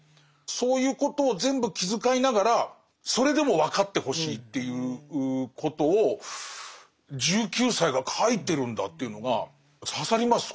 そういうことを全部気遣いながらそれでも分かってほしいっていうことを１９歳が書いてるんだっていうのが刺さります